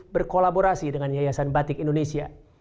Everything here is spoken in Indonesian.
berkolaborasi dengan yayasan batik indonesia